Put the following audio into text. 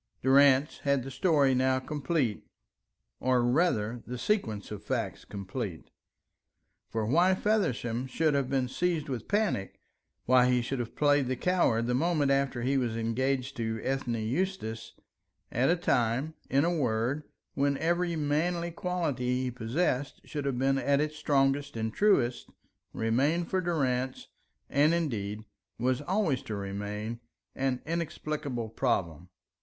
Durrance had the story now complete, or rather, the sequence of facts complete. For why Feversham should have been seized with panic, why he should have played the coward the moment after he was engaged to Ethne Eustace at a time, in a word, when every manly quality he possessed should have been at its strongest and truest, remained for Durrance, and indeed, was always to remain, an inexplicable problem.